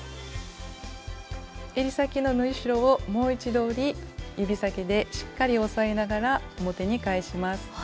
えり先の縫い代をもう一度折り指先でしっかり押さえながら表に返します。